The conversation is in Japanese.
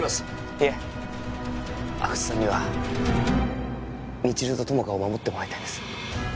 いえ阿久津さんには未知留と友果を守ってもらいたいんです